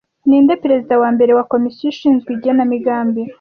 Ninde Perezida wa mbere wa Komisiyo ishinzwe igenamigambi